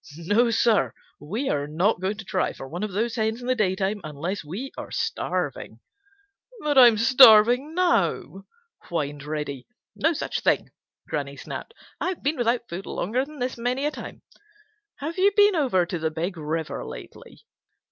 No, Sir, we are not going to try for one of those hens in the daytime unless we are starving." "I'm starving now," whined Reddy. "No such thing!" Granny snapped. "I've been without food longer than this many a time. Have you been over to the Big River lately?"